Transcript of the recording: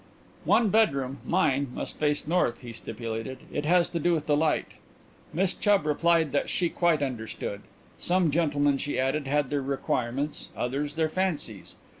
"One bedroom, mine, must face north," he stipulated. "It has to do with the light." Miss Chubb replied that she quite understood. Some gentlemen, she added, had their requirements, others their fancies.